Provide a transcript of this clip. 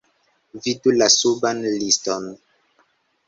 Vidu la suban liston!